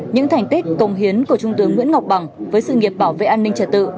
những thành tích công hiến của trung tướng nguyễn ngọc bằng với sự nghiệp bảo vệ an ninh trật tự